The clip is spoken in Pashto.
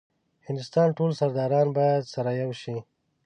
هندوستان ټول سرداران باید سره یو شي.